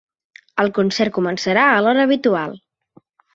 El concert començarà a l'hora habitual.